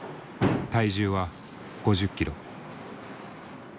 体重は５０ｋｇ。